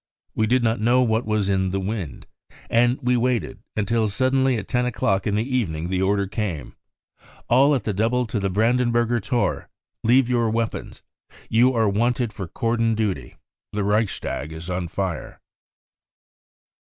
We did not know what was in the wind, and we waited, until suddenly at ten o'clock in the evening the order came : All at the double to the Brandenburger Tor ! Leave your weapons ! You are wanted for cordon duty : the Reichstag is on fire.